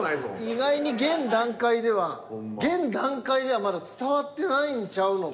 意外に現段階ではまだ伝わってないんちゃうの？